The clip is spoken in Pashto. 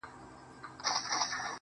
هره ورځ يو قتل کيږي هر ورځ يو شاعر مړ شي